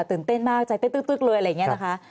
ตื่นเต้นมากใจเต้นตึ๊กเลยอะไรอย่างนี้นะคะ